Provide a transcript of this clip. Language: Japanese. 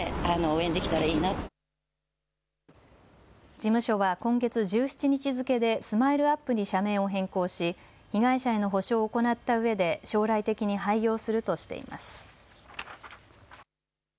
事務所は今月１７日付けでＳＭＩＬＥ−ＵＰ．に社名を変更し被害者への補償を行ったうえで将来的に廃業するとしています。